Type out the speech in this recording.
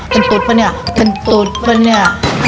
เป็นตุ๊ดปะเนี่ย